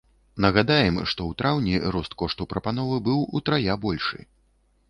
Нагадаем, што ў траўні рост кошту прапановы быў утрая большы.